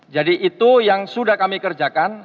jadi itu yang sudah kami kerjakan